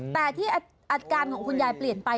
แต่ที่อาการของคุณยายเปลี่ยนไป